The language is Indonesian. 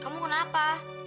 ken kamu kenapa